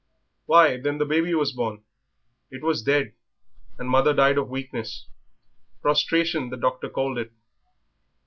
"Why, then the baby was born. It was dead, and mother died of weakness; prostration the doctor called it."